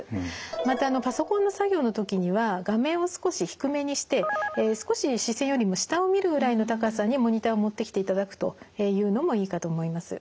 またパソコンの作業の時には画面を少し低めにして少し視線よりも下を見るぐらいの高さにモニターを持ってきていただくというのもいいかと思います。